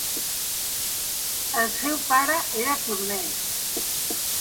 El seu pare era torner.